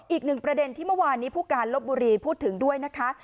อีกหนึ่งประเด็นที่เมื่อวานนี้ผู้การลบบุรีพูดถึงด้วยนะคะ